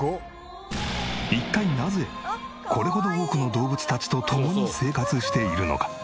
一体なぜこれほど多くの動物たちと共に生活しているのか？